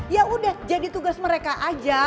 ya udah jadi tugas mereka aja